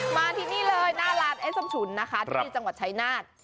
มาที่นี่เลยหน้าร้านไอ้ส้มฉุนนะคะที่จังหวัดชายนาฏ